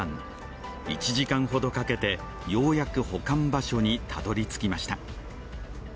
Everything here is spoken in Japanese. １時間ほどかけて、ようやく保管場所にたどり着きました。